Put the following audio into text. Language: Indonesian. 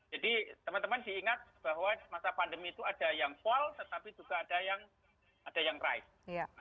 jadi teman teman diingat bahwa masa pandemi itu ada yang fall tetapi juga ada yang rise